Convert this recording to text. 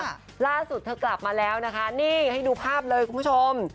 มาล่าสุดกลับมาแล้วให้ให้ดูภาพเลยคุณผู้ชม